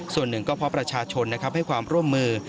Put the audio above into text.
ส่วนหนึ่งก็เพราะประชาชนนะครับให้ความร่วมมือ